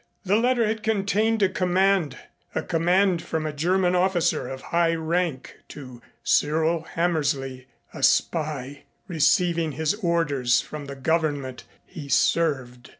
The letter had contained a command, a command from a German officer of high rank to Cyril Hammersley a spy receiving his orders from the government he served.